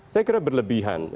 saya kira berlebihan